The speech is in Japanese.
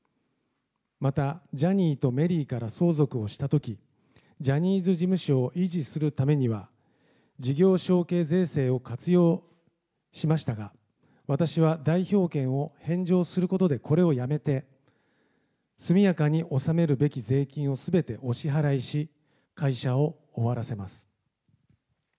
またジャニーとメリーから相続をしたとき、ジャニーズ事務所を維持するためには、事業しょうけい税制を活用しましたが、私は代表権を返上することでこれをやめて、速やかに納めるべき税金をすべてお支払いし、会社を終わらせます。